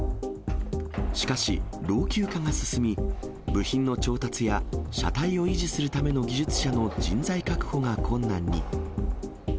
しかし、老朽化が進み、部品の調達や車体を維持するための技術者の人材確保が困難に。